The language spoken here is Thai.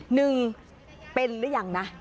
หนึ่งเป็นหรือยังนะ